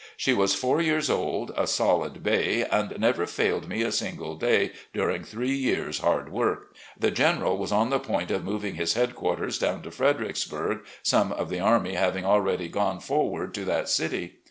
She was four years old, a solid bay, and never failed me a single day during three years' hard work. The General was on the point of moving his headquarters down to Fredericksbiirg, some of the army having already gone forward to that city.